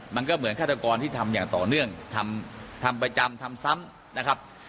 มันก็เหมือนฆาตกรที่ทำอย่างต่อเนื่องทำทำประจำทำซ้ำนะครับ